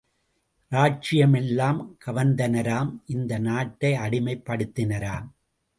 இராஜ்ஜிய மெல்லாம் கவர்ந்தனராம் இந்த நாட்டை அடிமைப் படுத்தினராம்!